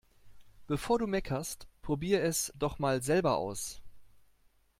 Bevor du meckerst, probier' es doch mal selber aus!